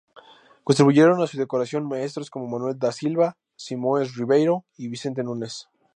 Contribuyeron a su decoración maestros como Manuel da Silva, Simões Ribeiro y Vicente Nunes.